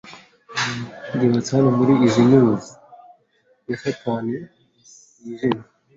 yubatswe hano Muri izi Mills ya Satani yijimye